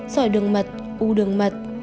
dòi đường mật u đường mật